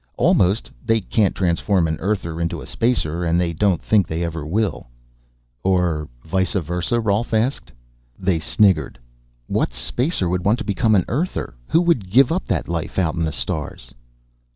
"Almost. They can't transform an Earther into a Spacer, and they don't think they ever will." "Or vice versa?" Rolf asked. They sniggered. "What Spacer would want to become an Earther? Who would give up that life, out in the stars?"